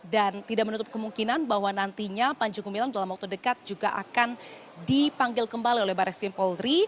dan tidak menutup kemungkinan bahwa nantinya panji kumilang dalam waktu dekat juga akan dipanggil kembali oleh barres krimpolri